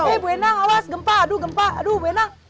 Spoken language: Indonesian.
eh bu endang awas gempa aduh gempa aduh bu endang